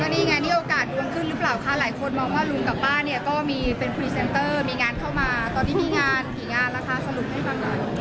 นี่ไงนี่โอกาสดวงขึ้นหรือเปล่าคะหลายคนมองว่าลุงกับป้าเนี่ยก็มีเป็นพรีเซนเตอร์มีงานเข้ามาตอนนี้มีงานกี่งานแล้วคะสรุปให้ฟังหน่อย